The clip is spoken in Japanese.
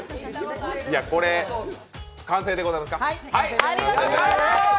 完成でございますか。